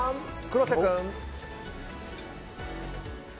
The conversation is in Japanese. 黒瀬君！